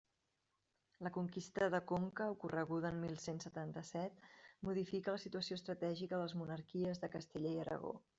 La conquista de Conca, ocorreguda en mil cent setanta-set, modifica la situació estratègica de les monarquies de Castella i Aragó.